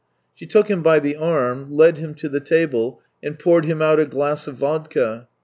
She took him by the arm, led him to the table, and poured him out a glass of vodka.